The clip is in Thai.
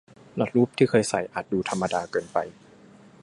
รัดรูปที่เคยใส่อาจดูธรรมดาเกินไป